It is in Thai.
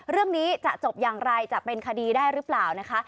เรื่องนี้จะจบอย่างไรจะเป็นคดีได้หรือเปล่านะคะ